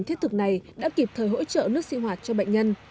bệnh viện thiết thực này đã kịp thời hỗ trợ nước sinh hoạt cho bệnh nhân